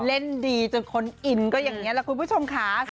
เล่นดีจนคนอินก็อย่างนี้แหละคุณผู้ชมค่ะ